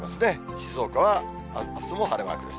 静岡はあすも晴れマークです。